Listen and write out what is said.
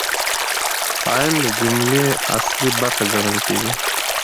فاعل د جملې اصلي برخه ګڼل کیږي.